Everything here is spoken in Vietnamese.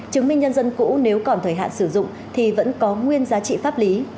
chứng minh nhân dân cũ nếu còn thời hạn sử dụng thì vẫn có nguyên giá trị pháp lý